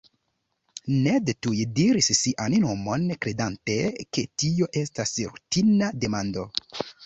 Ned tuj diris sian nomon, kredante ke tio estas rutina demando.